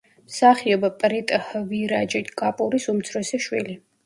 მსახიობ პრიტჰვირაჯ კაპურის უმცროსი შვილი.